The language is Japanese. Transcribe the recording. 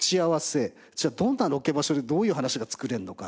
どんなロケ場所でどういう話が作れるのか。